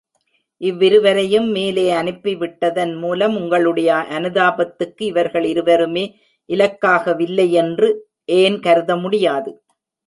இவ்விருவரையும் மேலே அனுப்பிவிட்டதன் மூலம், உங்களுடைய அனுதாபத்துக்கு இவர்கள் இருவருமே இலக்காகவில்லையென்று ஏன் கருதமுடியாது?